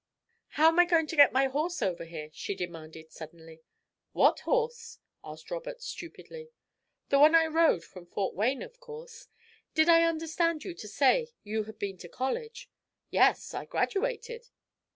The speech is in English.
"How am I going to get my horse over here," she demanded suddenly. "What horse?" asked Robert, stupidly. "The one I rode from Fort Wayne, of course. Did I understand you to say you had been to college?" "Yes; I graduated."